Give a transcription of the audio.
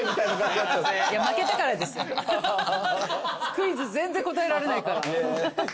クイズ全然答えられないから。